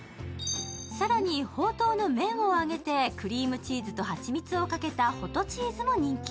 更に、ほうとうの麺を揚げてクリームチーズと蜂蜜をかけたホトチーズも人気。